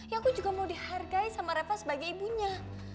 ya aku juga mau dihargai sama reva sebagai ibunya